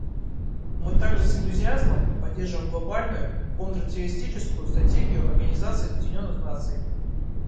Мы также с энтузиазмом поддерживаем Глобальную контртеррористическую стратегию Организации Объединенных Наций.